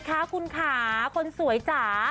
สวัสดีค่ะคุณค่าคนสวยจ๋า